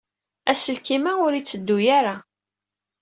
Aselkim-a ur yetteddu ara.